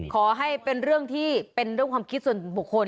ขอให้เป็นเรื่องที่เป็นเรื่องความคิดส่วนบุคคล